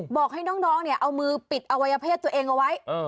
บอกให้น้องเนี่ยเอามือปิดอวัยเพศตัวเองเอาไว้